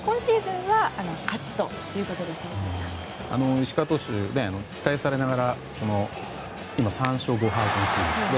石川投手、期待されながら今、３勝５敗という今シーズン。